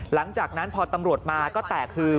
หลังจากนั้นพอตำรวจมาก็แตกคือ